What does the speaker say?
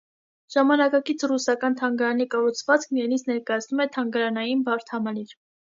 Ժամանակակից ռուսական թանգարանի կառուցվածքն իրենից ներկայացնում է թանգարանային բարդ համալիր։